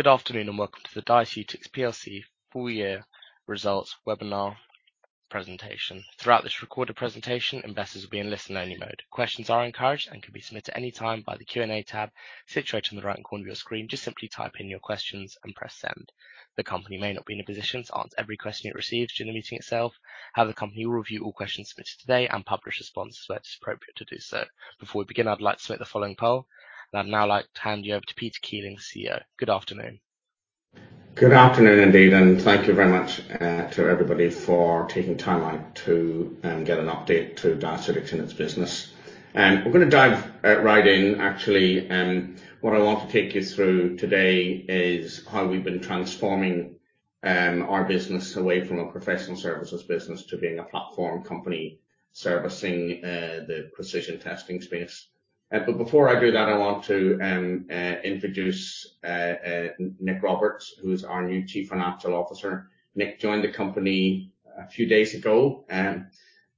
Good afternoon, and welcome to the Diaceutics plc Full Year Results Webinar Presentation. Throughout this recorded presentation, investors will be in listen-only mode. Questions are encouraged and can be submitted anytime by the Q&A tab situated in the right corner of your screen. Just simply type in your questions and press Send. The company may not be in a position to answer every question it receives during the meeting itself. However, the company will review all questions submitted today and publish responses where it's appropriate to do so. Before we begin, I'd like to make the following point. I'd now like to hand you over to Peter Keeling, CEO. Good afternoon. Good afternoon indeed, and thank you very much to everybody for taking time out to get an update on Diaceutics and its business. We're gonna dive right in. Actually, what I want to take you through today is how we've been transforming our business away from a professional services business to being a platform company servicing the precision medicine space. Before I do that, I want to introduce Nick Roberts, who is our new Chief Financial Officer. Nick joined the company a few days ago,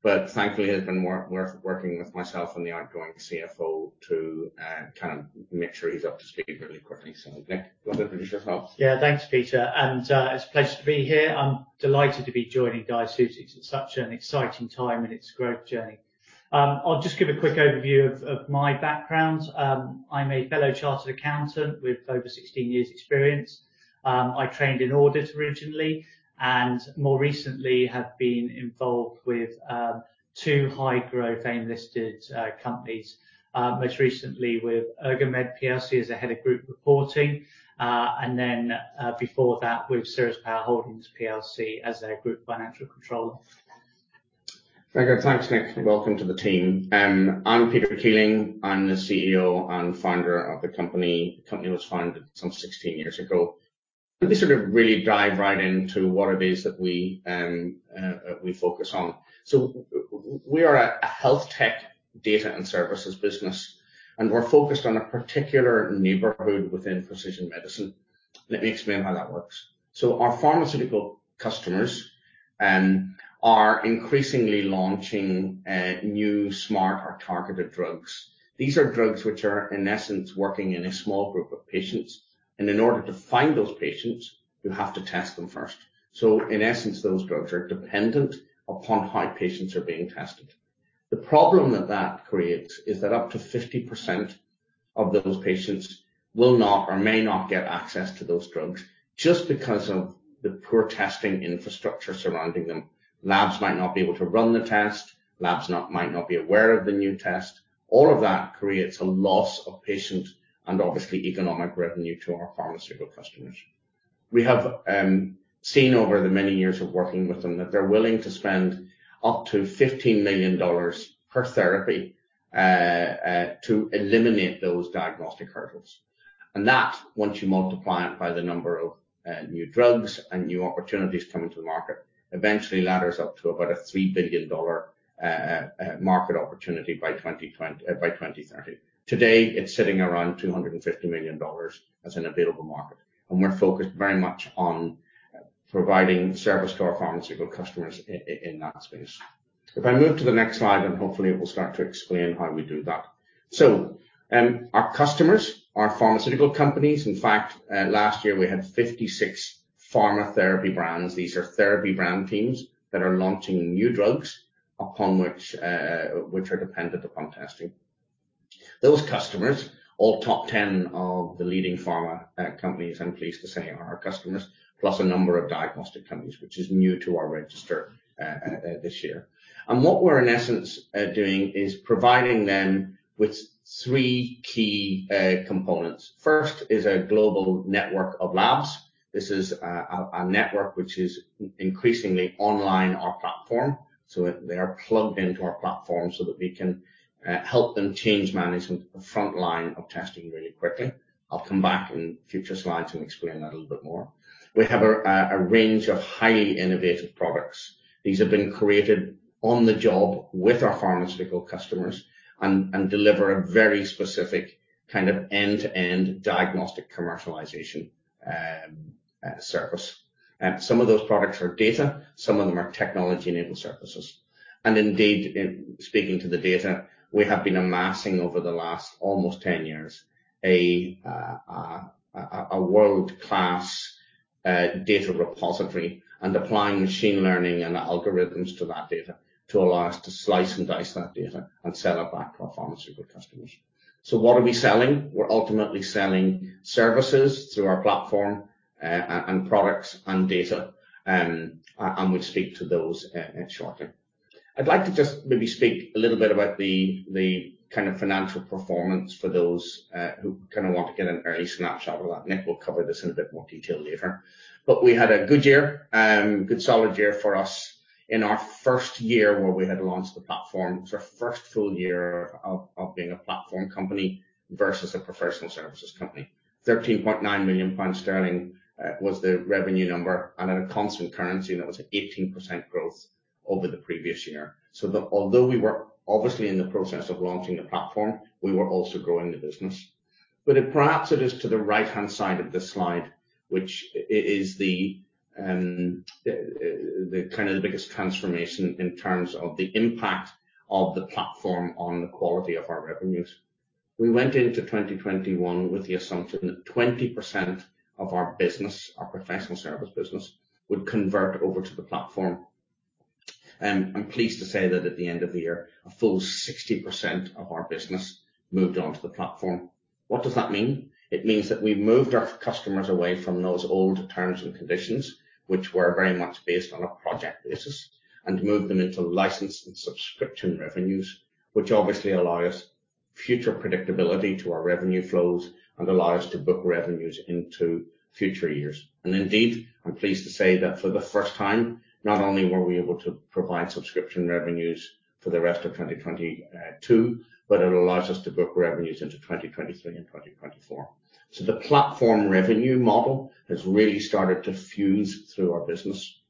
but thankfully has been working with myself and the outgoing CFO to kind of make sure he's up to speed really quickly. Nick, do you want to introduce yourself? Yeah. Thanks, Peter. It's a pleasure to be here. I'm delighted to be joining Diaceutics at such an exciting time in its growth journey. I'll just give a quick overview of my background. I'm a fellow chartered accountant with over 16 years experience. I trained in audit originally, and more recently have been involved with two high-growth AIM-listed companies. Most recently with Ergomed plc as the head of group reporting, and then before that with Ceres Power Holdings plc as their group financial controller. Very good. Thanks, Nick. Welcome to the team. I'm Peter Keeling. I'm the CEO and founder of the company. The company was founded some 16 years ago. Let me sort of really dive right into what it is that we focus on. We are a health tech data and services business, and we're focused on a particular neighborhood within precision medicine. Let me explain how that works. Our pharmaceutical customers are increasingly launching new smart or targeted drugs. These are drugs which are, in essence, working in a small group of patients. In order to find those patients, you have to test them first. In essence, those drugs are dependent upon how patients are being tested. The problem that creates is that up to 50% of those patients will not or may not get access to those drugs just because of the poor testing infrastructure surrounding them. Labs might not be able to run the test. Labs might not be aware of the new test. All of that creates a loss of patient and obviously economic revenue to our pharmaceutical customers. We have seen over the many years of working with them that they're willing to spend up to $15 million per therapy to eliminate those diagnostic hurdles. That, once you multiply it by the number of new drugs and new opportunities coming to the market, eventually ladders up to about a $3 billion market opportunity by 2030. Today, it's sitting around $250 million as an available market. We're focused very much on providing service to our pharmaceutical customers in that space. If I move to the next slide, then hopefully it will start to explain how we do that. Our customers are pharmaceutical companies. In fact, last year we had 56 pharma therapy brands. These are therapy brand teams that are launching new drugs upon which are dependent upon testing. Those customers, all top ten of the leading pharma companies, I'm pleased to say, are our customers, plus a number of diagnostic companies which is new to our register this year. What we're, in essence, doing is providing them with three key components. First is a global network of labs. This is a network which is increasingly online our platform, so they are plugged into our platform so that we can help them change management front line of testing really quickly. I'll come back in future slides and explain that a little bit more. We have a range of highly innovative products. These have been created on the job with our pharmaceutical customers and deliver a very specific kind of end-to-end diagnostic commercialization service. Some of those products are data, some of them are technology-enabled services. Indeed, in speaking to the data, we have been amassing over the last almost 10 years a world-class data repository and applying machine learning and algorithms to that data to allow us to slice and dice that data and sell it back to our pharmaceutical customers. What are we selling? We're ultimately selling services through our platform, and products and data. We'll speak to those shortly. I'd like to just maybe speak a little bit about the kind of financial performance for those who kinda want to get an early snapshot of that. Nick will cover this in a bit more detail later. We had a good year. Good solid year for us in our first year where we had launched the platform. It's our first full year of being a platform company versus a professional services company. 13.9 million pounds was the revenue number, and at a constant currency, that was 18% growth over the previous year. Although we were obviously in the process of launching the platform, we were also growing the business. Perhaps it is to the right-hand side of this slide, which is the kind of the biggest transformation in terms of the impact of the platform on the quality of our revenues. We went into 2021 with the assumption that 20% of our business, our professional service business, would convert over to the platform. I'm pleased to say that at the end of the year, a full 60% of our business moved on to the platform. What does that mean? It means that we moved our customers away from those old terms and conditions, which were very much based on a project basis, and moved them into licensed and subscription revenues, which obviously allow us future predictability to our revenue flows and allow us to book revenues into future years. Indeed, I'm pleased to say that for the first time, not only were we able to provide subscription revenues for the rest of 2022, but it allows us to book revenues into 2023 and 2024. The platform revenue model has really started to fuse through our business.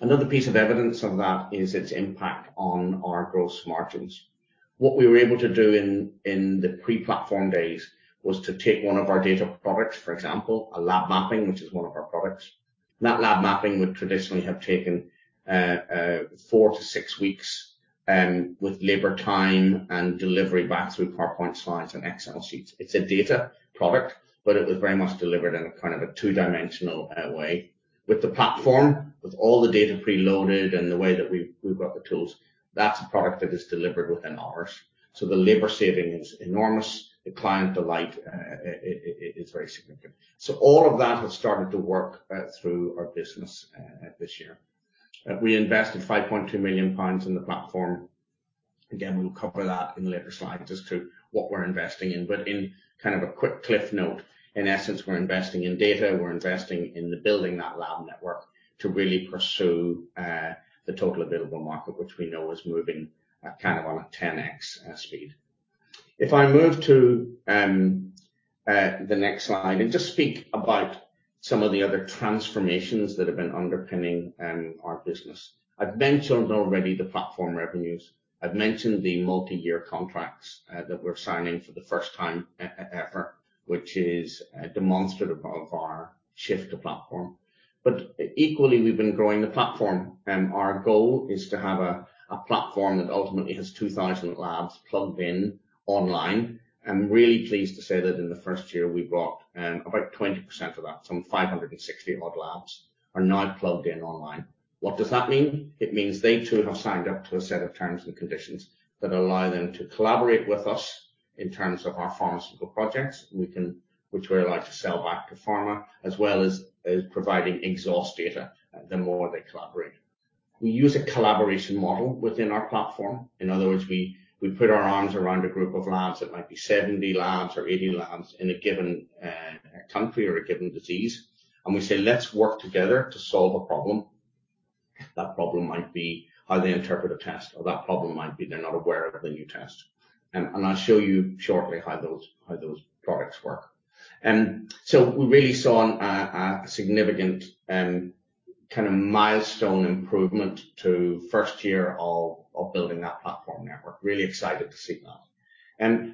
Another piece of evidence of that is its impact on our gross margins. What we were able to do in the pre-platform days was to take one of our data products, for example, Lab Mapping, which is one of our products. That Lab Mapping would traditionally have taken 4-6 weeks with labor time and delivery back through PowerPoint slides and Excel sheets. It's a data product, but it was very much delivered in a kind of a two-dimensional way. With the platform, with all the data preloaded and the way that we've got the tools, that's a product that is delivered within hours. The labor saving is enormous. The client delight is very significant. All of that has started to work through our business this year. We invested 5.2 million pounds in the platform. Again, we'll cover that in later slides as to what we're investing in. In kind of a quick cliff note, in essence, we're investing in data. We're investing in building the lab network to really pursue the total available market, which we know is moving kind of on a 10x speed. If I move to the next slide and just speak about some of the other transformations that have been underpinning our business. I've mentioned already the platform revenues. I've mentioned the multi-year contracts that we're signing for the first time ever, which is demonstrative of our shift to platform. Equally, we've been growing the platform. Our goal is to have a platform that ultimately has 2000 labs plugged in online. I'm really pleased to say that in the first year we got about 20% of that. Some 560 odd labs are now plugged in online. What does that mean? It means they too have signed up to a set of terms and conditions that allow them to collaborate with us in terms of our pharmaceutical projects, which we're allowed to sell back to pharma, as well as providing exhaust data the more they collaborate. We use a collaboration model within our platform. In other words, we put our arms around a group of labs. It might be 70 labs or 80 labs in a given country or a given disease. We say, "Let's work together to solve a problem." That problem might be how they interpret a test, or that problem might be they're not aware of the new test. I'll show you shortly how those products work. We really saw a significant kind of milestone improvement to first year of building that platform network. Really excited to see that.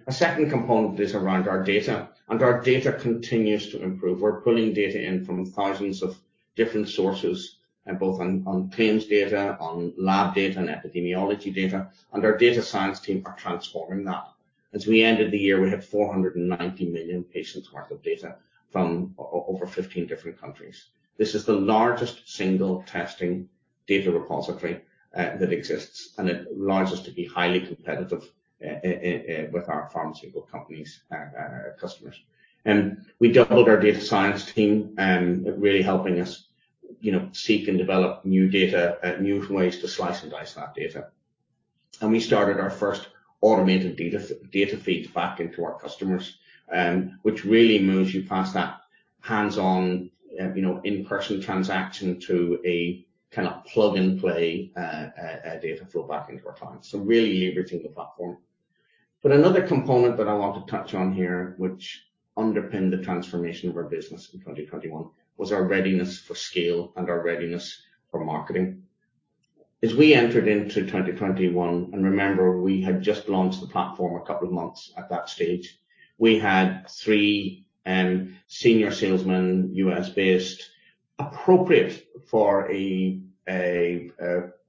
A second component is around our data, and our data continues to improve. We're pulling data in from thousands of different sources, both on claims data, on lab data, and epidemiology data. Our data science team are transforming that. As we ended the year, we had 490 million patients worth of data from over 15 different countries. This is the largest single testing data repository that exists, and it allows us to be highly competitive with our pharmaceutical companies, customers. We doubled our data science team, really helping us, you know, seek and develop new data, new ways to slice and dice that data. We started our first automated data feed back into our customers, which really moves you past that hands-on, you know, in-person transaction to a kinda plug-and-play data flow back into our clients. Really leveraging the platform. Another component that I want to touch on here, which underpinned the transformation of our business in 2021, was our readiness for scale and our readiness for marketing. As we entered into 2021, remember, we had just launched the platform a couple of months at that stage. We had three senior salesmen, U.S.-based, appropriate for a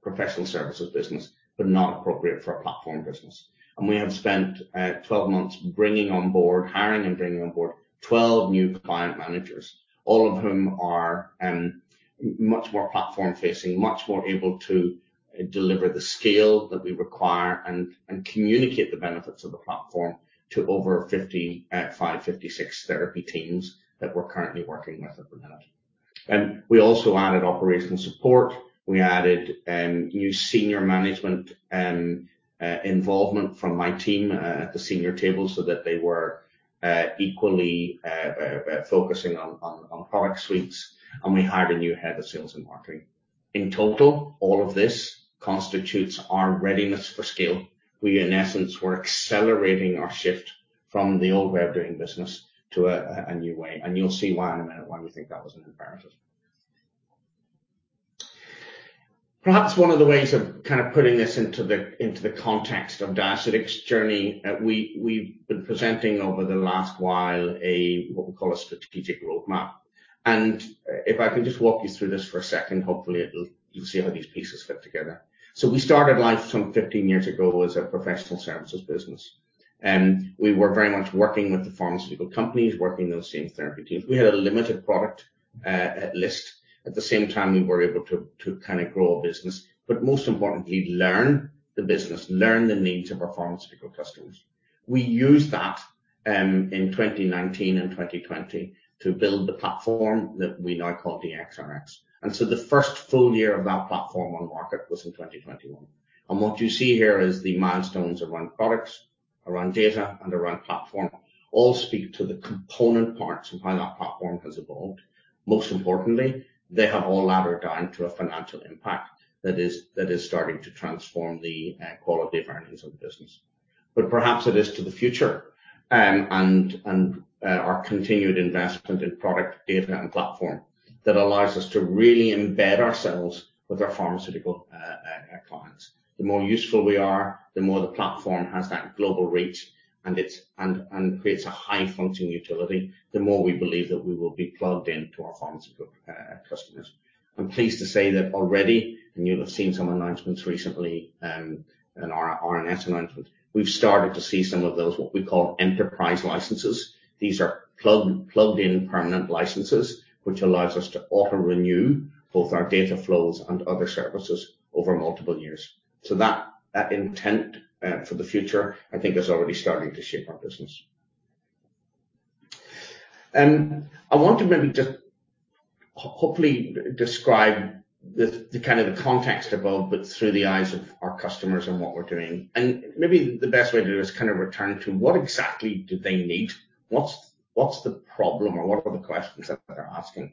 professional services business, but not appropriate for a platform business. We have spent 12 months bringing on board, hiring and bringing on board 12 new client managers, all of whom are much more platform facing, much more able to deliver the scale that we require and communicate the benefits of the platform to over 556 therapy teams that we're currently working with at veranda. We also added operational support. We added new senior management involvement from my team at the senior table, so that they were equally focusing on product suites. We hired a new head of sales and marketing. In total, all of this constitutes our readiness for scale. We, in essence, we're accelerating our shift from the old way of doing business to a new way. You'll see why in a minute why we think that was an imperative. Perhaps one of the ways of kind of putting this into the context of Diaceutics journey, we've been presenting over the last while a what we call a strategic roadmap. If I can just walk you through this for a second, hopefully you'll see how these pieces fit together. We started life some 15 years ago as a professional services business. We were very much working with the pharmaceutical companies, working those same therapy teams. We had a limited product list. At the same time, we were able to to kind of grow a business, but most importantly, learn the business, learn the needs of our pharmaceutical customers. We used that in 2019 and 2020 to build the platform that we now call the DXRX. The first full year of that platform on market was in 2021. What you see here is the milestones around products, around data, and around platform. All speak to the component parts of how that platform has evolved. Most importantly, they have all laddered down to a financial impact that is starting to transform the quality of earnings of the business. Perhaps it is to the future and our continued investment in product data and platform that allows us to really embed ourselves with our pharmaceutical clients. The more useful we are, the more the platform has that global reach, and creates a high functioning utility, the more we believe that we will be plugged into our pharmaceutical customers. I'm pleased to say that already, and you'll have seen some announcements recently, in our RNS announcement, we've started to see some of those, what we call enterprise licenses. These are plugged in permanent licenses, which allows us to auto-renew both our data flows and other services over multiple years. So that intent for the future, I think is already starting to shape our business. I want to maybe just hopefully describe the kind of the context above, but through the eyes of our customers and what we're doing. Maybe the best way to do it is kind of return to what exactly do they need? What's the problem, or what are the questions that they're asking?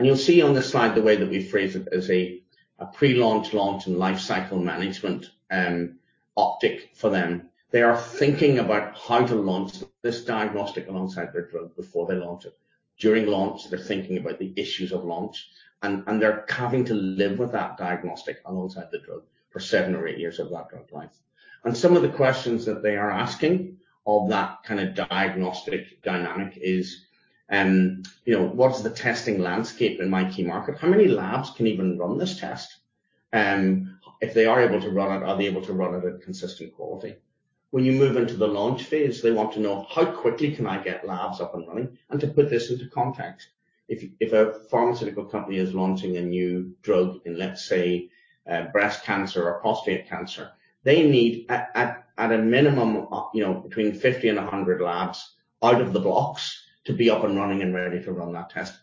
You'll see on this slide the way that we phrase it is a pre-launch, launch, and lifecycle management optic for them. They are thinking about how to launch this diagnostic alongside their drug before they launch it. During launch, they're thinking about the issues of launch, and they're having to live with that diagnostic alongside the drug for seven or eight years of that drug life. Some of the questions that they are asking of that kind of diagnostic dynamic is, you know, what is the testing landscape in my key market? How many labs can even run this test? If they are able to run it, are they able to run it at consistent quality? When you move into the launch phase, they want to know, how quickly can I get labs up and running? To put this into context, if a pharmaceutical company is launching a new drug in, let's say, breast cancer or prostate cancer, they need at a minimum, you know, between 50 and 100 labs out of the blocks to be up and running and ready to run that test.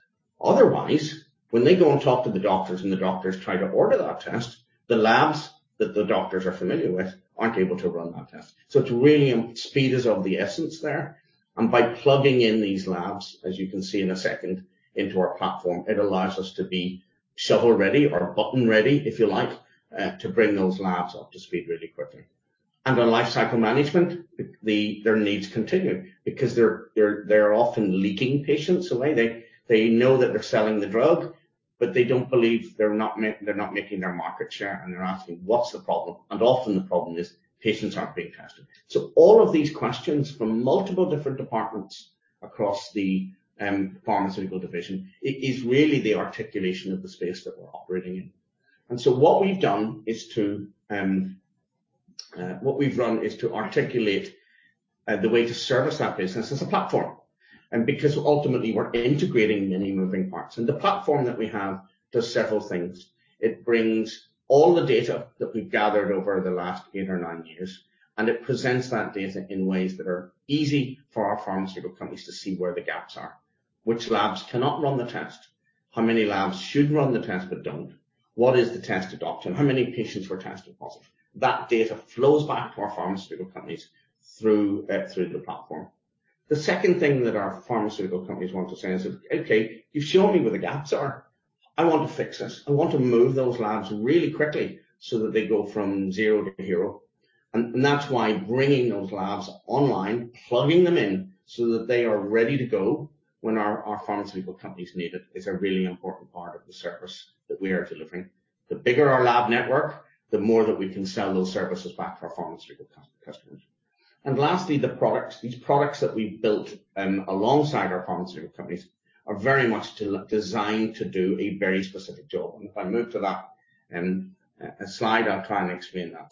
Otherwise, when they go and talk to the doctors, and the doctors try to order that test, the labs that the doctors are familiar with aren't able to run that test. It's really, speed is of the essence there. By plugging in these labs, as you can see in a second, into our platform, it allows us to be shovel-ready or button-ready, if you like, to bring those labs up to speed really quickly. On lifecycle management, their needs continue because they're often leaking patients away. They know that they're selling the drug, but they're not making their market share, and they're asking, "What's the problem?" Often the problem is patients aren't being tested. All of these questions from multiple different departments across the pharmaceutical division is really the articulation of the space that we're operating in. What we've done is to articulate the way to service that business as a platform, and because ultimately we're integrating many moving parts. The platform that we have does several things. It brings all the data that we've gathered over the last eight or nine years, and it presents that data in ways that are easy for our pharmaceutical companies to see where the gaps are. Which labs cannot run the test? How many labs should run the test but don't? What is the test adoption? How many patients were tested positive? That data flows back to our pharmaceutical companies through the platform. The second thing that our pharmaceutical companies want to say is, "Okay, you've shown me where the gaps are. I want to fix this. I want to move those labs really quickly so that they go from zero to hero." That's why bringing those labs online, plugging them in so that they are ready to go when our pharmaceutical companies need it, is a really important part of the service that we are delivering. The bigger our lab network, the more that we can sell those services back to our pharmaceutical customers. Lastly, the products. These products that we've built alongside our pharmaceutical companies are very much designed to do a very specific job. If I move to that slide, I'll try and explain that.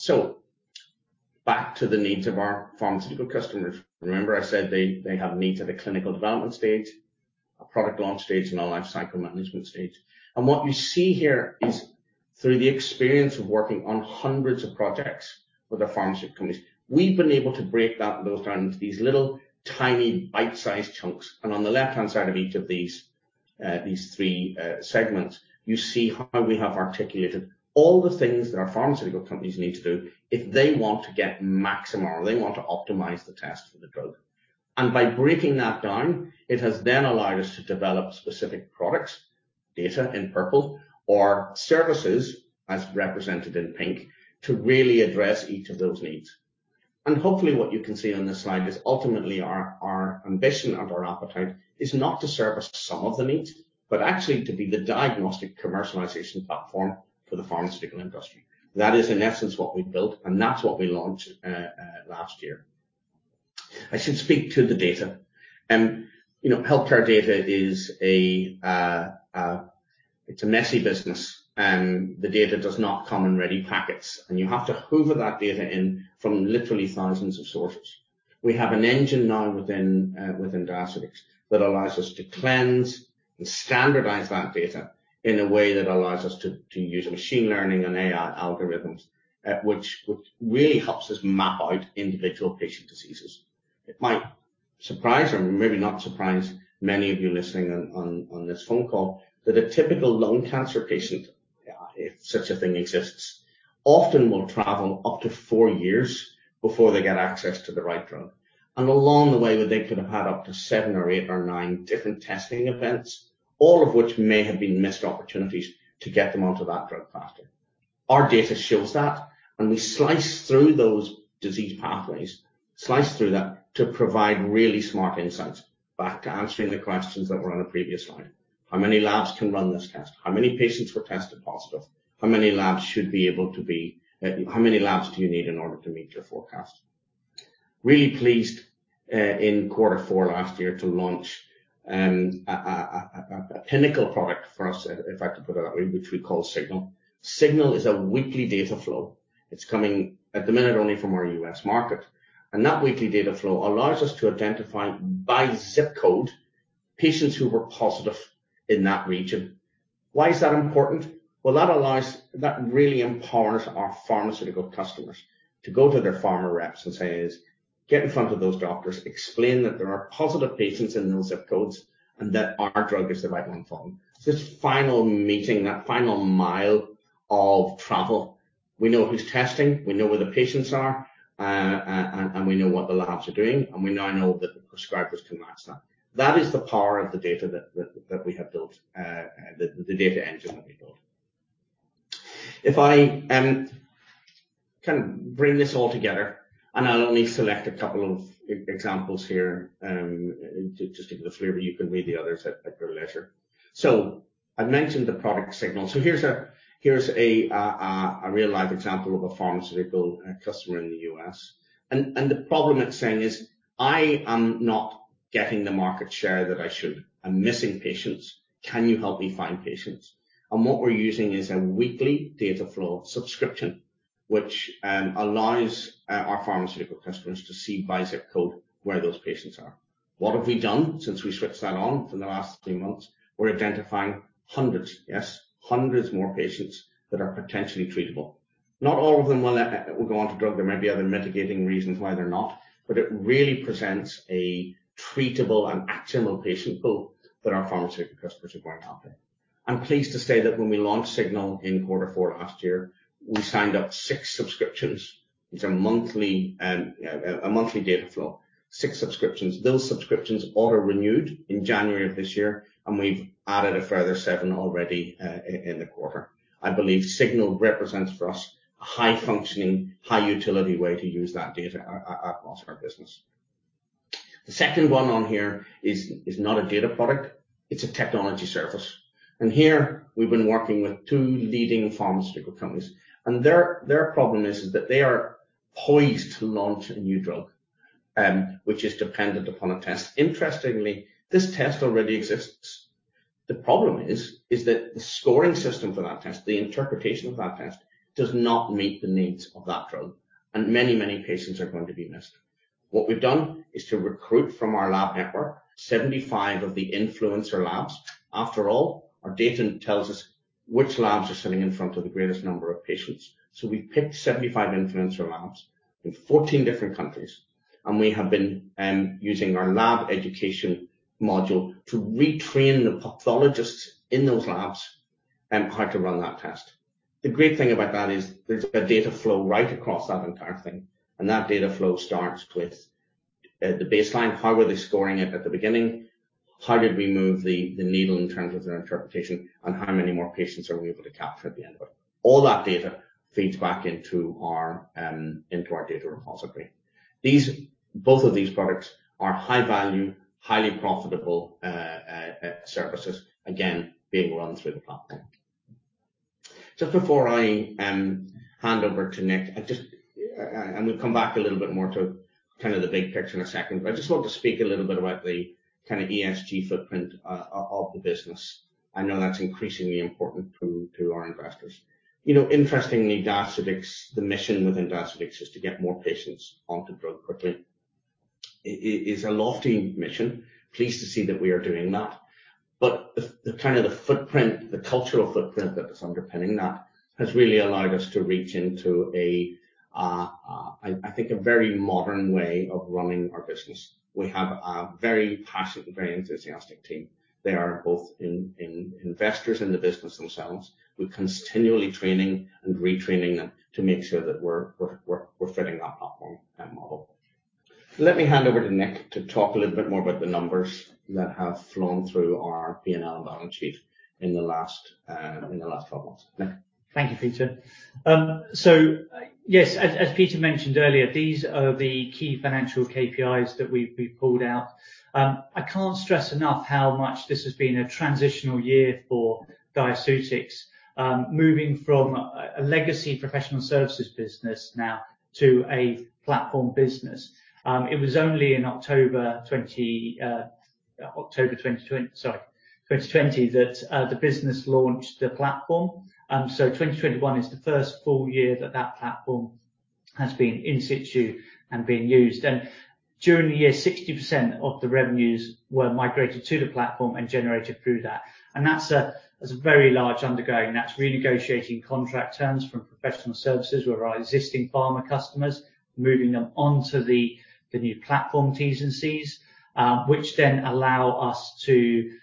Back to the needs of our pharmaceutical customers. Remember I said they have needs at the clinical development stage, a product launch stage, and a lifecycle management stage. What you see here is through the experience of working on hundreds of projects with our pharmaceutical companies, we've been able to break that build down into these little tiny bite-sized chunks. On the left-hand side of each of these three segments, you see how we have articulated all the things that our pharmaceutical companies need to do if they want to get maximal or they want to optimize the test for the drug. By breaking that down, it has then allowed us to develop specific products, data in purple, or services, as represented in pink, to really address each of those needs. Hopefully, what you can see on this slide is ultimately our ambition and our appetite is not to service some of the needs, but actually to be the diagnostic commercialization platform for the pharmaceutical industry. That is, in essence, what we've built, and that's what we launched last year. I should speak to the data. You know, healthcare data is a messy business, and the data does not come in ready packets, and you have to hoover that data in from literally thousands of sources. We have an engine now within Diaceutics that allows us to cleanse and standardize that data in a way that allows us to use machine learning and AI algorithms, which really helps us map out individual patient diseases. It might surprise or maybe not surprise many of you listening on this phone call that a typical lung cancer patient, if such a thing exists, often will travel up to four years before they get access to the right drug. Along the way, they could have had up to seven or eight or nine different testing events, all of which may have been missed opportunities to get them onto that drug faster. Our data shows that, and we slice through those disease pathways, slice through that to provide really smart insights. Back to answering the questions that were on a previous slide. How many labs can run this test? How many patients were tested positive? How many labs do you need in order to meet your forecast? Really pleased in quarter four last year to launch a pinnacle product for us, if I could put it that way, which we call Signal. Signal is a weekly data flow. It's coming at the minute only from our U.S. market, and that weekly data flow allows us to identify by ZIP code patients who were positive in that region. Why is that important? Well, that really empowers our pharmaceutical customers to go to their pharma reps and say, "Get in front of those doctors. Explain that there are positive patients in those ZIP codes and that our drug is the right one for them." This final meeting, that final mile of travel, we know who's testing, we know where the patients are, and we know what the labs are doing, and we now know that the prescribers can match that. That is the power of the data that we have built, the data engine that we built. If I kind of bring this all together, and I'll only select a couple of examples here, just to give you a flavor, you can read the others at your leisure. I've mentioned the product Signal. Here's a real-life example of a pharmaceutical customer in the U.S. The problem it's saying is, "I am not getting the market share that I should. I'm missing patients. Can you help me find patients?" What we're using is a weekly data flow subscription, which allows our pharmaceutical customers to see by ZIP code where those patients are. What have we done since we switched that on for the last three months? We're identifying hundreds more patients that are potentially treatable. Not all of them will go on to drug. There might be other mitigating reasons why they're not. It really presents a treatable and actionable patient pool that our pharmaceutical customers require topic. I'm pleased to say that when we launched Signal in quarter four last year, we signed up six subscriptions. It's a monthly data flow. Six subscriptions. Those subscriptions auto-renewed in January of this year, and we've added a further seven already in the quarter. I believe Signal represents for us a high-functioning, high-utility way to use that data across our business. The second one on here is not a data product, it's a technology service. Here we've been working with two leading pharmaceutical companies. Their problem is that they are poised to launch a new drug, which is dependent upon a test. Interestingly, this test already exists. The problem is that the scoring system for that test, the interpretation of that test does not meet the needs of that drug, and many, many patients are going to be missed. What we've done is to recruit from our lab network 75 of the influencer labs. After all, our data tells us which labs are sitting in front of the greatest number of patients. We've picked 75 influencer labs in 14 different countries, and we have been using our Lab Education module to retrain the pathologists in those labs on how to run that test. The great thing about that is there's a data flow right across that entire thing, and that data flow starts with the baseline. How were they scoring it at the beginning? How did we move the needle in terms of their interpretation, and how many more patients are we able to capture at the end of it? All that data feeds back into our data repository. Both of these products are high value, highly profitable services, again, being run through the platform. Just before I hand over to Nick, we'll come back a little bit more to kind of the big picture in a second. I just want to speak a little bit about the kind of ESG footprint of the business. I know that's increasingly important to our investors. You know, interestingly, Diaceutics, the mission within Diaceutics is to get more patients onto drug quickly. It is a lofty mission. I'm pleased to see that we are doing that. The kind of footprint, the cultural footprint that is underpinning that has really allowed us to reach into, I think, a very modern way of running our business. We have a very passionate, very enthusiastic team. They are both investors in the business themselves. We're continually training and retraining them to make sure that we're fitting that platform and model. Let me hand over to Nick to talk a little bit more about the numbers that have flown through our P&L balance sheet in the last 12 months. Nick. Thank you, Peter. Yes, as Peter mentioned earlier, these are the key financial KPIs that we've pulled out. I can't stress enough how much this has been a transitional year for Diaceutics, moving from a legacy professional services business now to a platform business. It was only in October 2020 that the business launched the platform. 2021 is the first full year that that platform has been in situ and being used. During the year, 60% of the revenues were migrated to the platform and generated through that. That's a very large undertaking, that's renegotiating contract terms from professional services where our existing pharma customers, moving them onto the new platform T&Cs, which then allow us to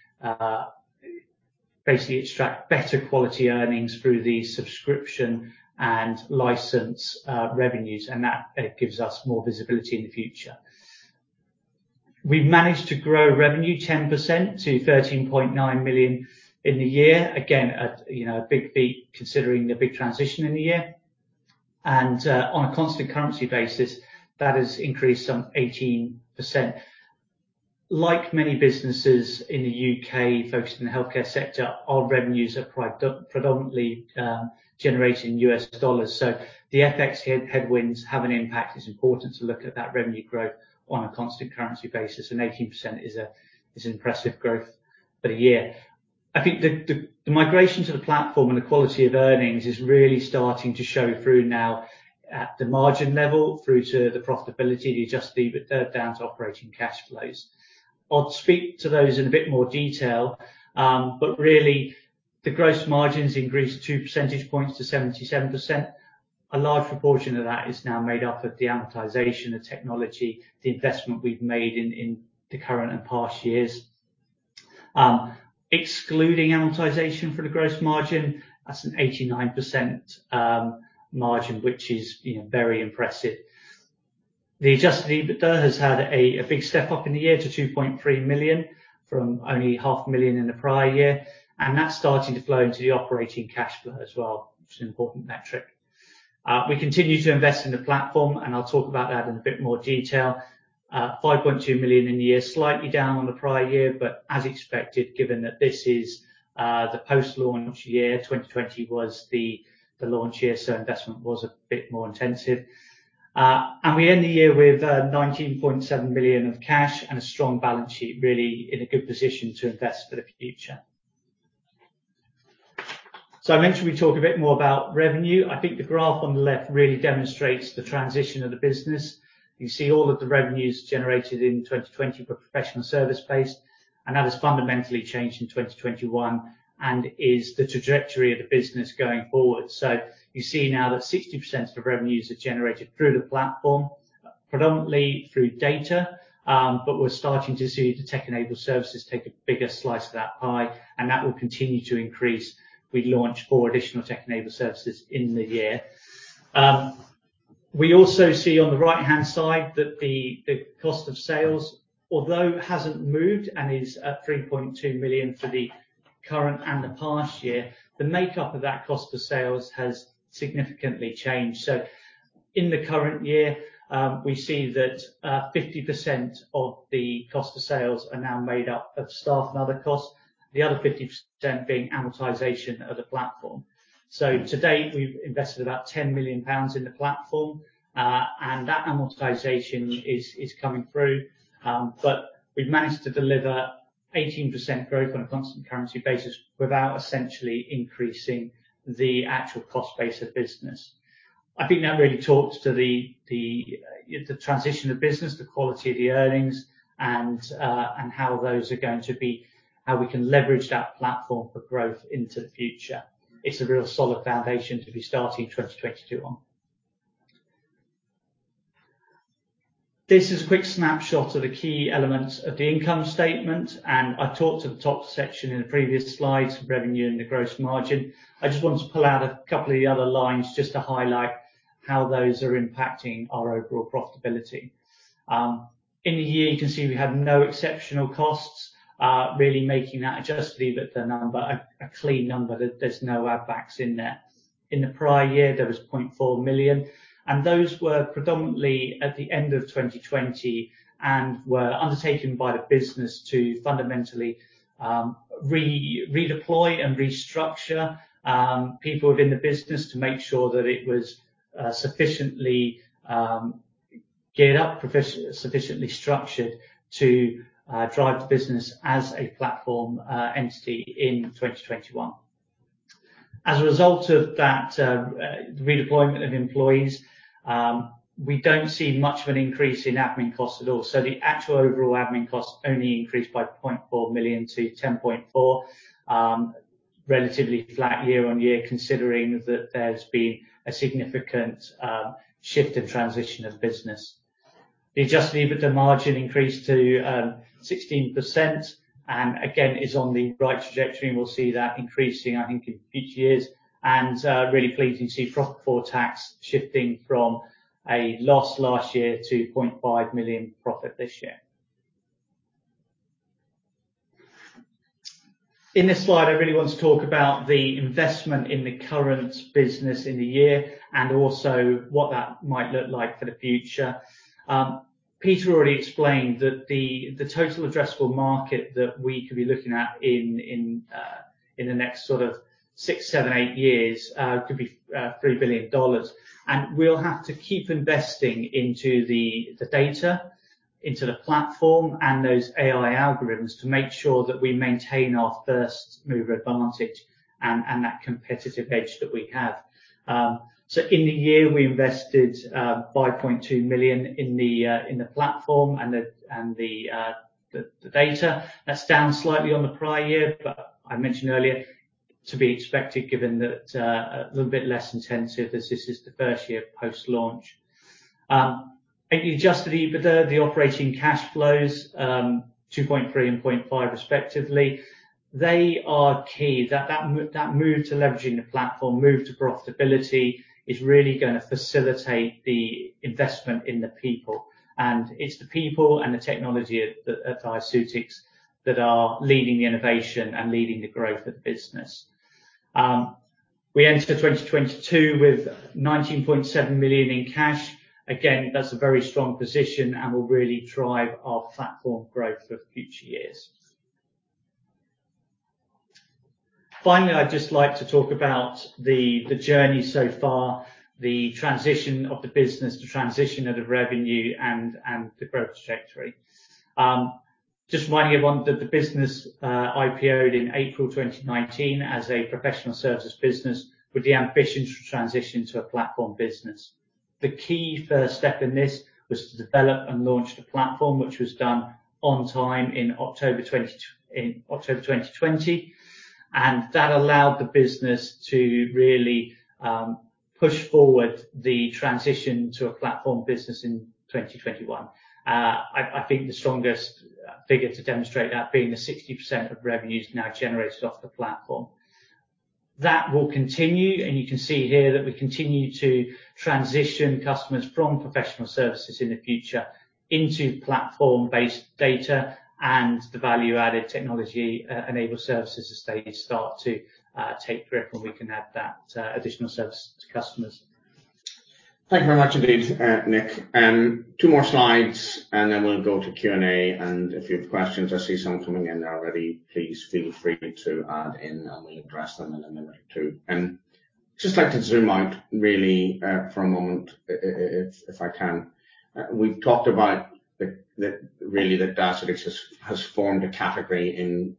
basically extract better quality earnings through the subscription and license revenues, and that gives us more visibility in the future. We've managed to grow revenue 10% to 13.9 million in the year. Again, you know, a big feat considering the big transition in the year. On a constant currency basis, that has increased some 18%. Like many businesses in the U.K. focused in the healthcare sector, our revenues are quite predominantly generating U.S. dollars, so the FX headwinds have an impact. It's important to look at that revenue growth on a constant currency basis, and 18% is impressive growth for the year. I think the migration to the platform and the quality of earnings is really starting to show through now at the margin level, through to the profitability, the adjusted EBITDA down to operating cash flows. I'll speak to those in a bit more detail, but really the gross margins increased 2 percentage points to 77%. A large proportion of that is now made up of the amortization of technology, the investment we've made in the current and past years. Excluding amortization for the gross margin, that's an 89%, you know, margin, which is very impressive. The adjusted EBITDA has had a big step up in the year to 2.3 million from only 0.5 million in the prior year, and that's starting to flow into the operating cash flow as well, which is an important metric. We continue to invest in the platform, and I'll talk about that in a bit more detail. 5.2 million in the year, slightly down on the prior year, but as expected, given that this is the post-launch year. 2020 was the launch year, so investment was a bit more intensive. We end the year with 19.7 million of cash and a strong balance sheet really in a good position to invest for the future. I mentioned we'd talk a bit more about revenue. I think the graph on the left really demonstrates the transition of the business. You see all of the revenues generated in 2020 were professional service based, and that has fundamentally changed in 2021 and is the trajectory of the business going forward. You see now that 60% of the revenues are generated through the platform, predominantly through data, but we're starting to see the tech-enabled services take a bigger slice of that pie, and that will continue to increase. We launched four additional tech-enabled services in the year. We also see on the right-hand side that the cost of sales, although it hasn't moved and is at 3.2 million for the current and the past year, the makeup of that cost of sales has significantly changed. In the current year, we see that 50% of the cost of sales are now made up of staff and other costs. The other 50% being amortization of the platform. To date, we've invested about 10 million pounds in the platform, and that amortization is coming through. We've managed to deliver 18% growth on a constant currency basis without essentially increasing the actual cost base of business. I think that really talks to the transition of business, the quality of the earnings, and how we can leverage that platform for growth into the future. It's a real solid foundation to be starting 2022 on. This is a quick snapshot of the key elements of the income statement, and I talked to the top section in the previous slides, revenue and the gross margin. I just want to pull out a couple of the other lines just to highlight how those are impacting our overall profitability. In here you can see we have no exceptional costs, really making that adjusted EBITDA number a clean number. There's no add-backs in there. In the prior year, there was 0.4 million, and those were predominantly at the end of 2020 and were undertaken by the business to fundamentally redeploy and restructure people within the business to make sure that it was sufficiently geared up, sufficiently structured to drive the business as a platform entity in 2021. As a result of that redeployment of employees, we don't see much of an increase in admin costs at all. The actual overall admin costs only increased by 0.4 million to 10.4 million. Relatively flat year-on-year considering that there's been a significant shift and transition of business. The adjusted EBITDA margin increased to 16% and again is on the right trajectory, and we'll see that increasing, I think, in future years. Really pleasing to see profit before tax shifting from a loss last year to 0.5 million profit this year. In this slide, I really want to talk about the investment in the current business in the year and also what that might look like for the future. Peter already explained that the total addressable market that we could be looking at in the next sort of six, seven, eight years could be $3 billion. We'll have to keep investing into the data into the platform and those AI algorithms to make sure that we maintain our first mover advantage and that competitive edge that we have. In the year, we invested 5.2 million in the platform and the data. That's down slightly on the prior year, but I mentioned earlier to be expected given that a little bit less intensive as this is the first year post-launch. If you adjust the EBITDA, the operating cash flows, 2.3 and 0.5 respectively, they are key. That move to leveraging the platform, move to profitability is really gonna facilitate the investment in the people. It's the people and the technology at Diaceutics that are leading the innovation and leading the growth of the business. We enter 2022 with 19.7 million in cash. Again, that's a very strong position and will really drive our platform growth for future years. Finally, I'd just like to talk about the journey so far, the transition of the business, the transition of the revenue and the growth trajectory. Just reminding everyone that the business IPO'd in April 2019 as a professional services business with the ambition to transition to a platform business. The key first step in this was to develop and launch the platform, which was done on time in October 2020. That allowed the business to really push forward the transition to a platform business in 2021. I think the strongest figure to demonstrate that being the 60% of revenue is now generated off the platform. That will continue, and you can see here that we continue to transition customers from professional services in the future into platform-based data and the value-added technology enabled services as they start to take grip, and we can add that additional service to customers. Thank you very much indeed, Nick. Two more slides, and then we'll go to Q&A. If you have questions, I see some coming in already, please feel free to add in, and we'll address them in a minute or two. Just like to zoom out really for a moment if I can. We've talked about really that Diaceutics has formed a category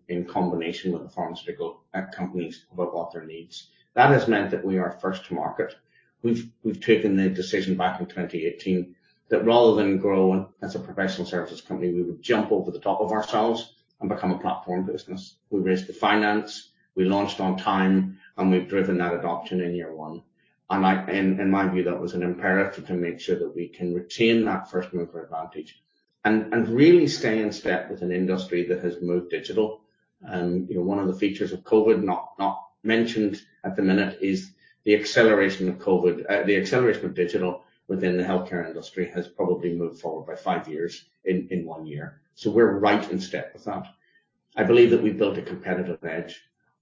in combination with the pharmaceutical companies about what are their needs. That has meant that we are first to market. We've taken the decision back in 2018 that rather than grow as a professional services company, we would jump over the top of ourselves and become a platform business. We raised the finance, we launched on time, and we've driven that adoption in year one. In my view, that was an imperative to make sure that we can retain that first mover advantage and really stay in step with an industry that has moved digital. You know, one of the features of COVID not mentioned at the minute is the acceleration of COVID. The acceleration of digital within the healthcare industry has probably moved forward by five years in one year. We're right in step with that. I believe that we've built a competitive edge.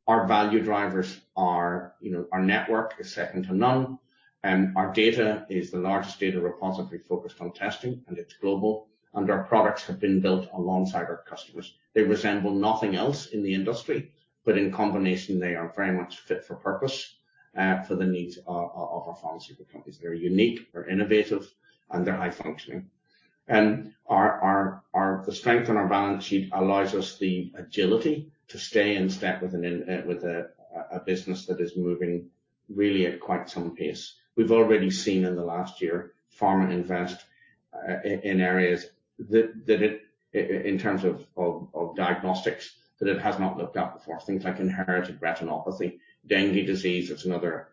Our value drivers are, you know, our network is second to none, our data is the largest data repository focused on testing, and it's global, and our products have been built alongside our customers. They resemble nothing else in the industry, but in combination they are very much fit for purpose, for the needs of our pharmaceutical companies. They're unique, they're innovative, and they're high-functioning. The strength of our balance sheet allows us the agility to stay in step with a business that is moving really at quite some pace. We've already seen in the last year pharma invest in areas that, in terms of diagnostics, it has not looked at before. Things like inherited retinopathy, dengue disease, that's another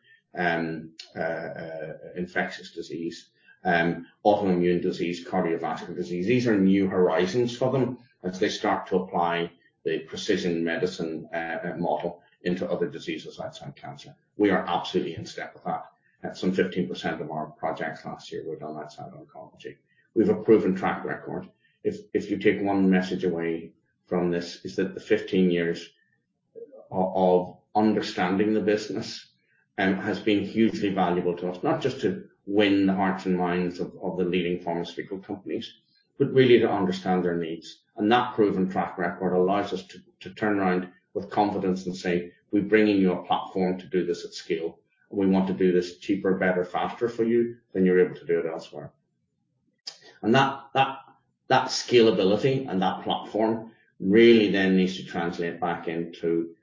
infectious disease, autoimmune disease, cardiovascular disease. These are new horizons for them as they start to apply the precision medicine model into other diseases outside cancer. We are absolutely in step with that. At some 15% of our projects last year were done outside oncology. We've a proven track record. If you take one message away from this, is that the 15 years of understanding the business has been hugely valuable to us, not just to win the hearts and minds of the leading pharmaceutical companies, but really to understand their needs. That proven track record allows us to turn around with confidence and say, "We're bringing you a platform to do this at scale. We want to do this cheaper, better, faster for you than you're able to do it elsewhere." That scalability and that platform really then needs to translate back into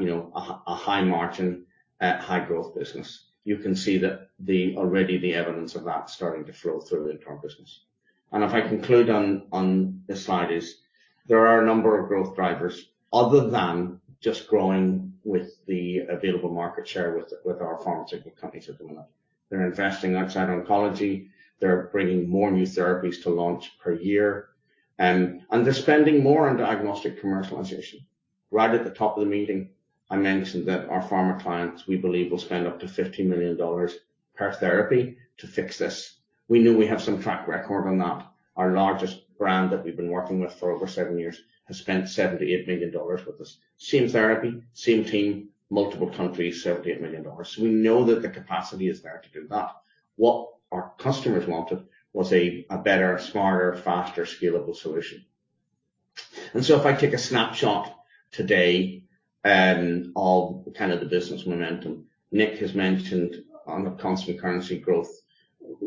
you know a high margin high growth business. You can see that already the evidence of that starting to flow through into our business. If I conclude on this slide, there are a number of growth drivers other than just growing with the available market share with our pharmaceutical companies are doing that. They're investing outside oncology, they're bringing more new therapies to launch per year. They're spending more on diagnostic commercialization. Right at the top of the meeting, I mentioned that our pharma clients, we believe, will spend up to $50 million per therapy to fix this. We know we have some track record on that. Our largest brand that we've been working with for over seven years has spent $78 million with us. Same therapy, same team, multiple countries, $78 million. We know that the capacity is there to do that. What our customers wanted was a better, smarter, faster, scalable solution. If I take a snapshot today of kind of the business momentum, Nick has mentioned on the constant currency growth,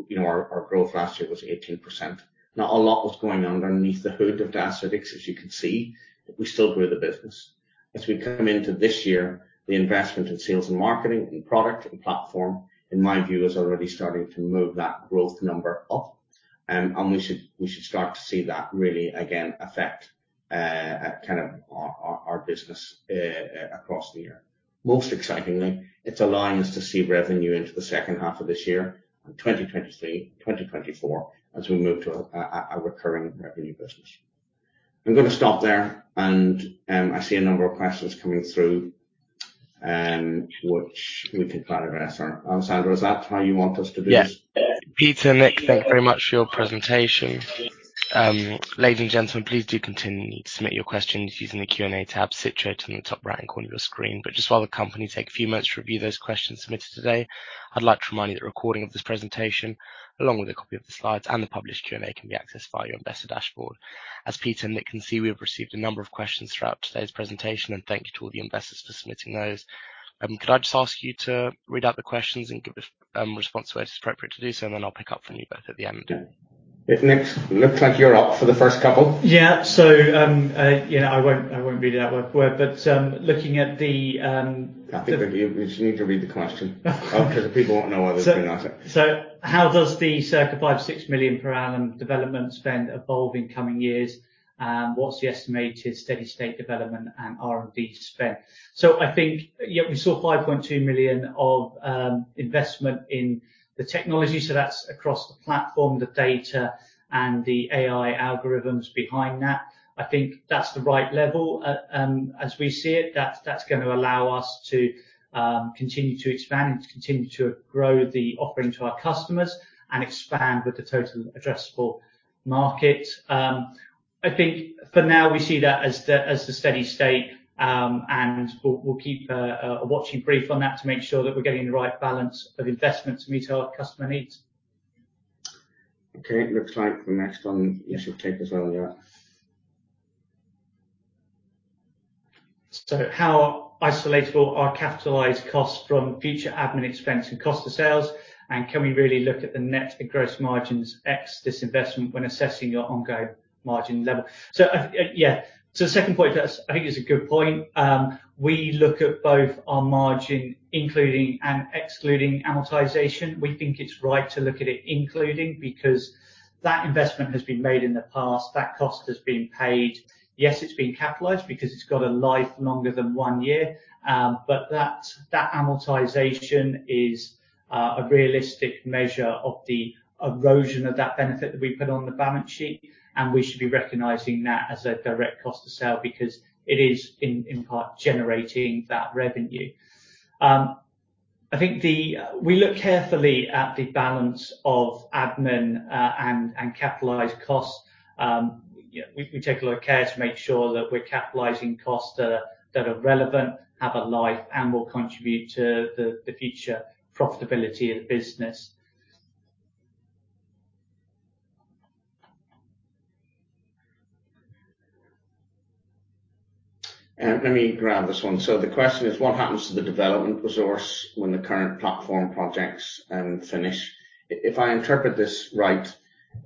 you know, our growth last year was 18%. Not a lot was going on underneath the hood of DXRX, as you can see, we still grew the business. As we come into this year, the investment in sales and marketing and product and platform, in my view, is already starting to move that growth number up. We should start to see that really again affect kind of our business across the year. Most excitingly, it's allowing us to see revenue into the second half of this year and 2023, 2024 as we move to a recurring revenue business. I'm gonna stop there, and, I see a number of questions coming through, which we can kind of address. Alessandro, is that how you want us to do this? Yes. Peter, Nick, thank you very much for your presentation. Ladies and gentlemen, please do continue to submit your questions using the Q&A tab situated in the top right corner of your screen. Just while the company take a few moments to review those questions submitted today, I'd like to remind you that a recording of this presentation, along with a copy of the slides and the published Q&A, can be accessed via your investor dashboard. As Peter and Nick can see, we have received a number of questions throughout today's presentation, and thank you to all the investors for submitting those. Could I just ask you to read out the questions and give a response to where it is appropriate to do so, and then I'll pick up from you both at the end. If Nick, looks like you're up for the first couple. Yeah, you know, I won't read it out word for word, but looking at the I think that you just need to read the question. Because the people won't know other than that. How does the circa 5-6 million per annum development spend evolve in coming years? What's the estimated steady state development and R&D spend? I think, yeah, we saw 5.2 million of investment in the technology. That's across the platform, the data, and the AI algorithms behind that. I think that's the right level. As we see it, that's gonna allow us to continue to expand and to continue to grow the offering to our customers and expand with the total addressable market. I think for now we see that as the steady state. We'll keep a watching brief on that to make sure that we're getting the right balance of investment to meet our customer needs. Okay. It looks like the next one you should take as well, yeah. How isolatable are capitalized costs from future admin expense and cost of sales? And can we really look at the net and gross margins ex this investment when assessing your ongoing margin level? The second point, that's, I think, is a good point. We look at both our margin, including and excluding amortization. We think it's right to look at it including, because that investment has been made in the past. That cost has been paid. Yes, it's been capitalized because it's got a life longer than one year. But that amortization is a realistic measure of the erosion of that benefit that we put on the balance sheet, and we should be recognizing that as a direct cost of sale because it is in part generating that revenue. We look carefully at the balance of admin and capitalized costs. Yeah, we take a lot of care to make sure that we're capitalizing costs that are relevant, have a life, and will contribute to the future profitability of the business. Let me grab this one. The question is, what happens to the development resource when the current platform projects finish? If I interpret this right,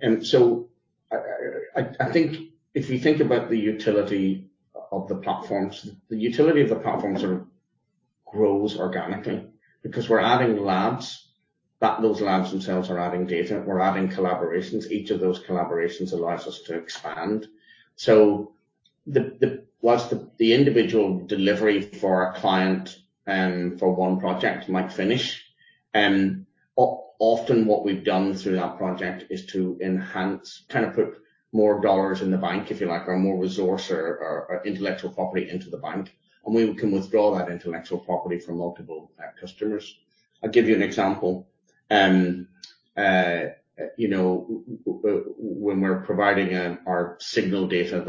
I think if you think about the utility of the platforms, the utility of the platforms grows organically because we're adding labs. Those labs themselves are adding data. We're adding collaborations. Each of those collaborations allows us to expand. While the individual delivery for a client for one project might finish, often what we've done through that project is to enhance, kind of put more dollars in the bank, if you like, or more resource or intellectual property into the bank, and we can withdraw that intellectual property for multiple customers. I'll give you an example. You know, when we're providing our signal data,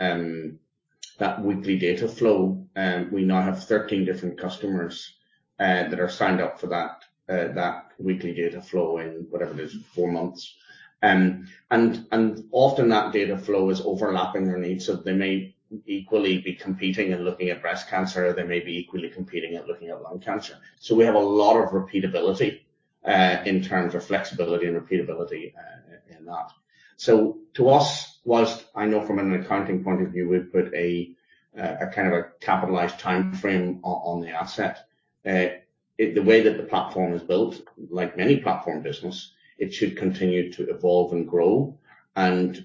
that weekly data flow, we now have 13 different customers that are signed up for that weekly data flow in whatever it is, four months. Often that data flow is overlapping their needs. They may equally be competing and looking at breast cancer, or they may equally be competing and looking at lung cancer. We have a lot of repeatability in terms of flexibility and repeatability in that. To us, while I know from an accounting point of view, we've put a kind of a capitalized timeframe on the asset, the way that the platform is built, like many platform business, it should continue to evolve and grow.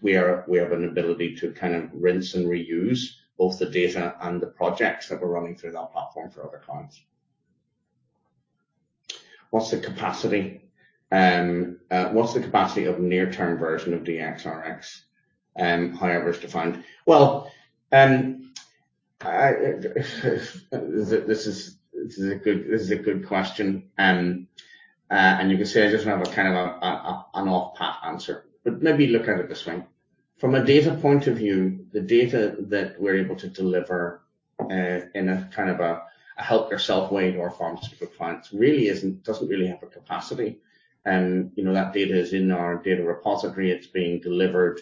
We have an ability to kind of rinse and reuse both the data and the projects that we're running through that platform for other clients. What's the capacity of near-term version of DXRX, however it's defined? This is a good question. You can see I just have a kind of an off path answer, but maybe look at it this way. From a data point of view, the data that we're able to deliver in a kind of a help yourself way to our pharmaceutical clients really doesn't have a capacity. You know, that data is in our data repository. It's being delivered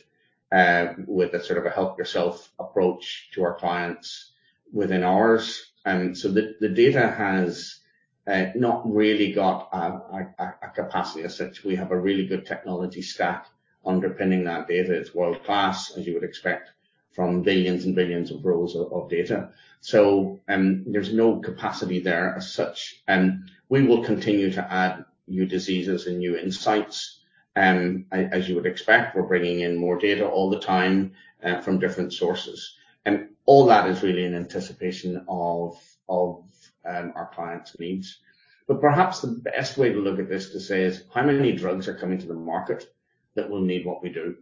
with a sort of help yourself approach to our clients within hours. The data has not really got a capacity as such. We have a really good technology stack underpinning that data. It's world-class, as you would expect, from billions and billions of rows of data. There's no capacity there as such, and we will continue to add new diseases and new insights. As you would expect, we're bringing in more data all the time from different sources. All that is really in anticipation of our clients' needs. But perhaps the best way to look at this is to say, how many drugs are coming to the market that will need what we do?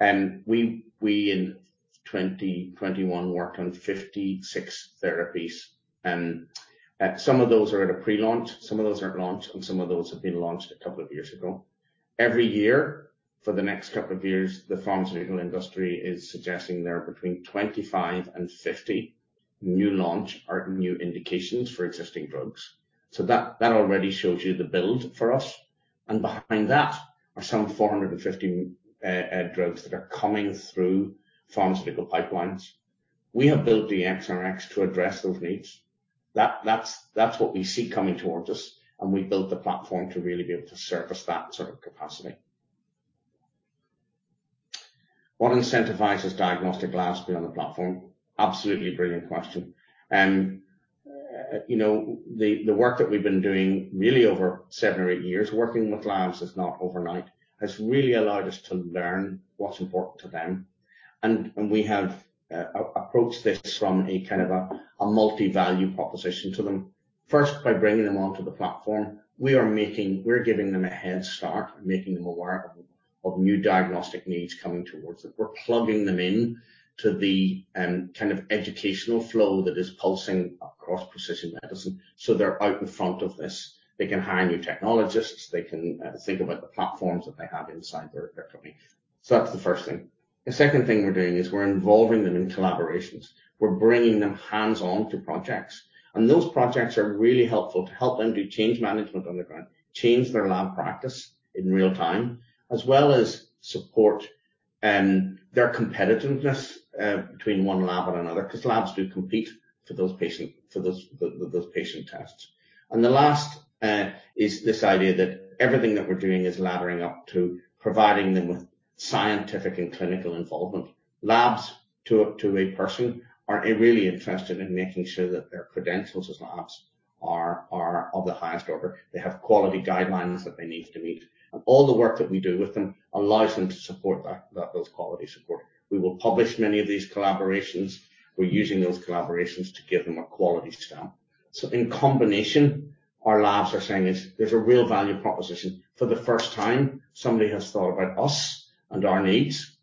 We in 2021 worked on 56 therapies. Some of those are at a pre-launch, some of those are at launch, and some of those have been launched a couple of years ago. Every year for the next couple of years, the pharmaceutical industry is suggesting there are between 25 and 50 new launch or new indications for existing drugs. That already shows you the build for us. Behind that are some 450 drugs that are coming through pharmaceutical pipelines. We have built the DXRX to address those needs. That's what we see coming towards us, and we built the platform to really be able to service that sort of capacity. What incentivizes diagnostic labs to be on the platform? Absolutely brilliant question. You know, the work that we've been doing really over seven or eight years, working with labs is not overnight. It's really allowed us to learn what's important to them. We have approached this from a kind of multi-value proposition to them. First, by bringing them onto the platform, we're giving them a head start, making them aware of new diagnostic needs coming towards them. We're plugging them in to the kind of educational flow that is pulsing across precision medicine, so they're out in front of this. They can hire new technologists. They can think about the platforms that they have inside their company. That's the first thing. The second thing we're doing is we're involving them in collaborations. We're bringing them hands-on to projects. Those projects are really helpful to help them do change management on the ground, change their lab practice in real-time, as well as support their competitiveness between one lab and another, because labs do compete for those patient tests. The last is this idea that everything that we're doing is laddering up to providing them with scientific and clinical involvement. Labs to a person are really interested in making sure that their credentials as labs are of the highest order. They have quality guidelines that they need to meet, and all the work that we do with them allows them to support that those quality support. We will publish many of these collaborations. We're using those collaborations to give them a quality stamp. In combination, our labs are saying is, "There's a real value proposition. For the first time, somebody has thought about us and our needs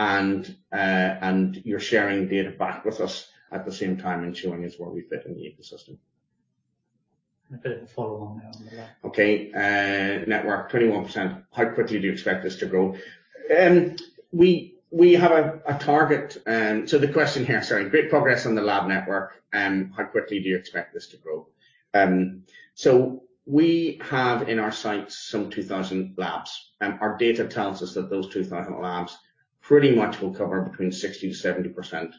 and you're sharing data back with us at the same time ensuring this is where we fit in the ecosystem. A bit of a follow on there on the lab. Okay. Network 21%. How quickly do you expect this to grow? We have a target. The question here. Sorry. Great progress on the lab network, how quickly do you expect this to grow? We have in our sights some 2,000 labs. Our data tells us that those 2,000 labs pretty much will cover between 60%-70%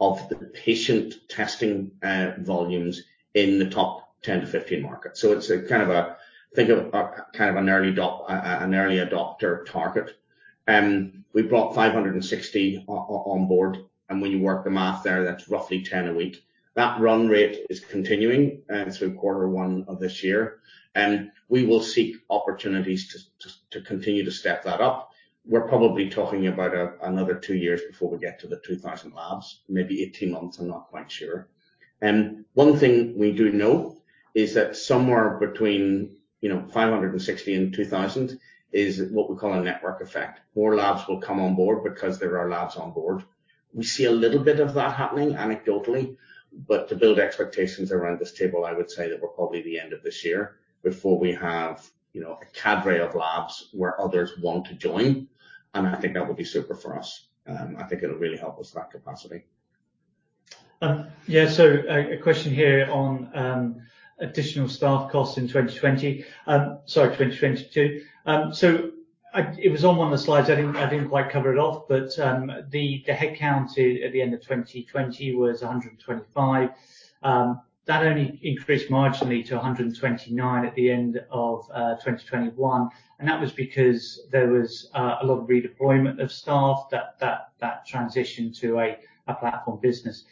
of the patient testing volumes in the top 10-15 markets. It's a kind of a. Think of kind of an early adopter target. We brought 560 onboard, and when you work the math there, that's roughly 10 a week. That run rate is continuing through quarter one of this year. We will seek opportunities to continue to step that up. We're probably talking about another two years before we get to the 2,000 labs, maybe 18 months, I'm not quite sure. One thing we do know is that somewhere between, you know, 560 and 2,000 is what we call a network effect. More labs will come on board because there are labs on board. We see a little bit of that happening anecdotally, but to build expectations around this table, I would say that we're probably at the end of this year before we have, you know, a cadre of labs where others want to join, and I think that would be super for us. I think it'll really help us with that capacity. A question here on additional staff costs in 2022. It was on one of the slides. I didn't quite cover it off, but the headcount at the end of 2020 was 125. That only increased marginally to 129 at the end of 2021, and that was because there was a lot of redeployment of staff that transitioned to a platform business.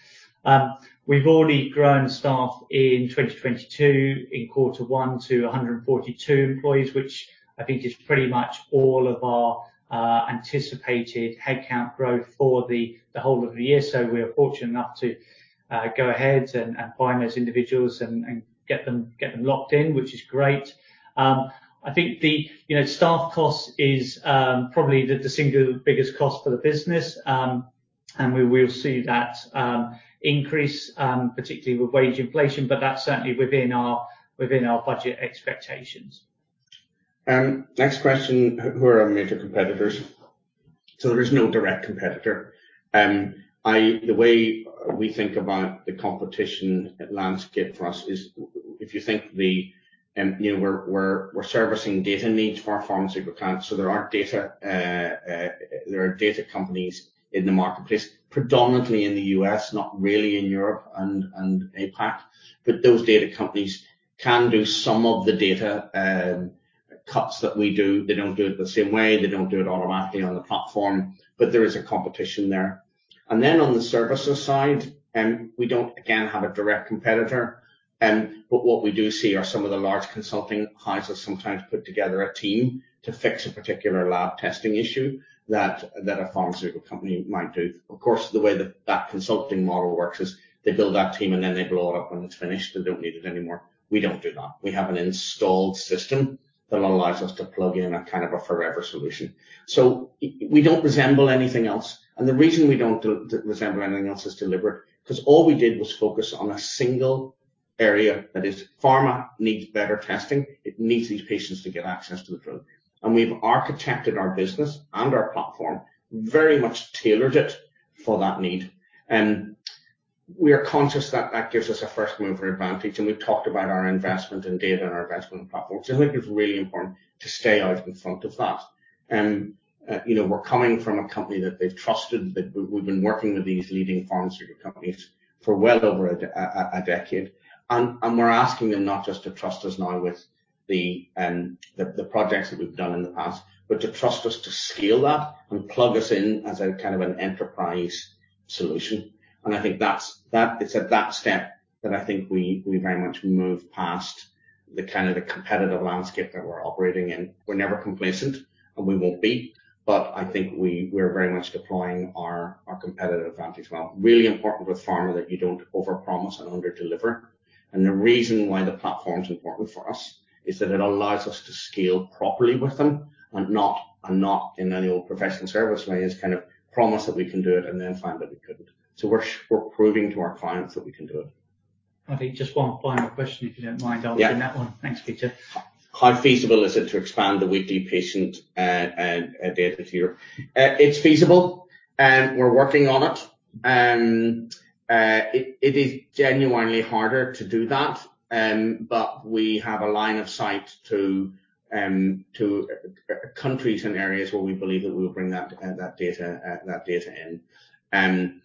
We've already grown staff in 2022 in quarter one to 142 employees, which I think is pretty much all of our anticipated headcount growth for the whole of the year. We're fortunate enough to go ahead and find those individuals and get them locked in, which is great. I think, you know, the staff cost is probably the single biggest cost for the business. We will see that increase, particularly with wage inflation, but that's certainly within our budget expectations. Next question. Who are our major competitors? There is no direct competitor. The way we think about the competition landscape for us is if you think the. You know, we're servicing data needs for our pharmaceutical clients, so there are data companies in the marketplace, predominantly in the U.S., not really in Europe and APAC. But those data companies can do some of the data cuts that we do. They don't do it the same way, they don't do it automatically on the platform, but there is a competition there. Then on the services side, we don't again have a direct competitor. What we do see are some of the large consulting houses sometimes put together a team to fix a particular lab testing issue that a pharmaceutical company might do. Of course, the way that consulting model works is they build that team, and then they blow it up when it's finished. They don't need it anymore. We don't do that. We have an installed system that allows us to plug in a kind of a forever solution. We don't resemble anything else. The reason we don't resemble anything else is deliberate, 'cause all we did was focus on a single area that is pharma needs better testing. It needs these patients to get access to the drug. We've architected our business and our platform, very much tailored it for that need. We are conscious that that gives us a first mover advantage, and we've talked about our investment in data and our investment in platforms. I think it's really important to stay out in front of that. You know, we're coming from a company that they've trusted, that we've been working with these leading pharmaceutical companies for well over a decade. We're asking them not just to trust us now with the projects that we've done in the past, but to trust us to scale that and plug us in as a kind of an enterprise solution. I think that's that. It's at that step that I think we very much move past the kind of competitive landscape that we're operating in. We're never complacent, and we won't be, but I think we're very much deploying our competitive advantage well. Really important with pharma that you don't overpromise and underdeliver. The reason why the platform's important for us is that it allows us to scale properly with them and not in any old professional service way is kind of promise that we can do it and then find that we couldn't. We're proving to our clients that we can do it. I think just one final question, if you don't mind. Yeah. I'll open that one. Thanks, Peter. How feasible is it to expand the weekly patient data to Europe? It's feasible, and we're working on it. It is genuinely harder to do that, but we have a line of sight to countries and areas where we believe that we'll bring that data in.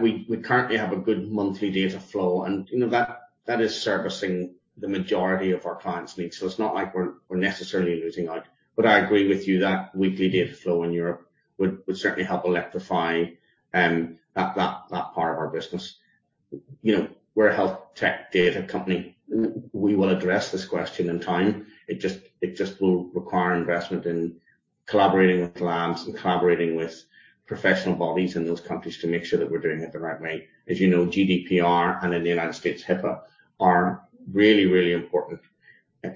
We currently have a good monthly data flow and, you know, that is servicing the majority of our clients' needs. It's not like we're necessarily losing out. I agree with you that weekly data flow in Europe would certainly help electrify that part of our business. You know, we're a health tech data company. We will address this question in time. It just will require investment in collaborating with labs and collaborating with professional bodies in those countries to make sure that we're doing it the right way. As you know, GDPR and in the United States, HIPAA are really important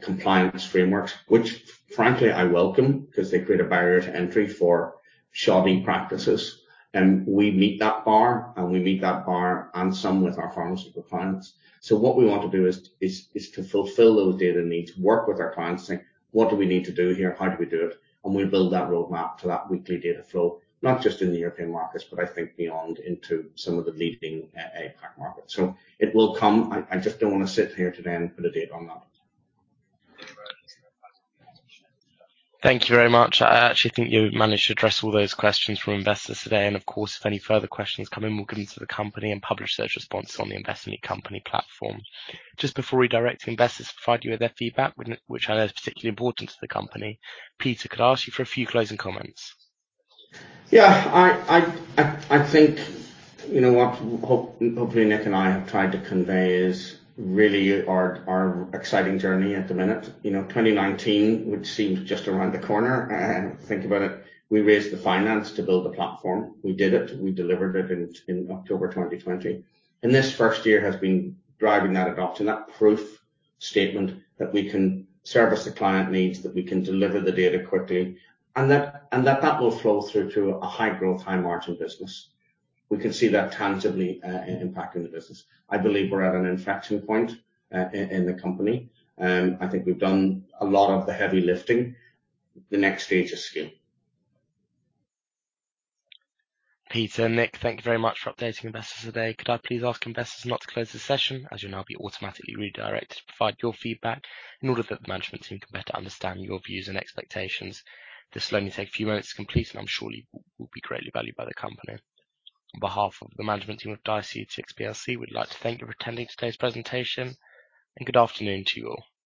compliance frameworks, which frankly, I welcome 'cause they create a barrier to entry for shoddy practices. We meet that bar and some with our pharmaceutical clients. What we want to do is to fulfill those data needs, work with our clients, saying, "What do we need to do here? How do we do it?" We build that roadmap to that weekly data flow, not just in the European markets, but I think beyond into some of the leading APAC markets. It will come. I just don't wanna sit here today and put a date on that. Thank you very much. I actually think you managed to address all those questions from investors today. Of course, if any further questions come in, we'll get them to the company and publish their responses on the Invest in Any Company platform. Just before we direct investors to provide you with their feedback, which I know is particularly important to the company, Peter, could I ask you for a few closing comments? Yeah. I think, you know, what hopefully Nick and I have tried to convey is really our exciting journey at the minute. You know, 2019, which seems just around the corner, think about it. We raised the finance to build the platform. We did it. We delivered it in October 2020. This first year has been driving that adoption, that proof statement that we can service the client needs, that we can deliver the data quickly, and that that will flow through to a high-growth, high-margin business. We can see that tangibly impacting the business. I believe we're at an inflection point in the company. I think we've done a lot of the heavy lifting. The next stage is scale. Peter, Nick, thank you very much for updating investors today. Could I please ask investors now to close the session, as you'll now be automatically redirected to provide your feedback in order that the management team can better understand your views and expectations. This will only take a few moments to complete and I'm sure will be greatly valued by the company. On behalf of the management team of Diaceutics plc, we'd like to thank you for attending today's presentation, and good afternoon to you all.